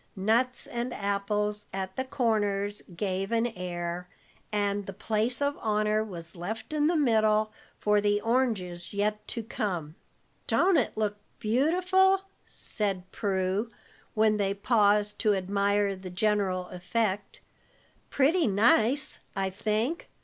Nuts and apples at the corners gave an air, and the place of honor was left in the middle for the oranges yet to come. "Don't it look beautiful?" said Prue, when they paused to admire the general effect. "Pretty nice, I think.